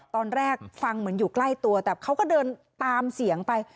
ตอนแรกฟังเหมือนอยู่ใกล้ตัวแต่เขาก็เดินตามเสียงไป